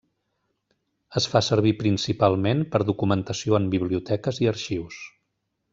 Es fa servir principalment per documentació en biblioteques i arxius.